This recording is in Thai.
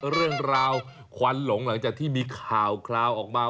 เรื่องราวควันหลงหลังจากที่มีข่าวคราวออกมา